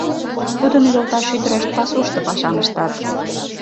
Тудын йолташ ӱдырышт пасушто пашам ыштат.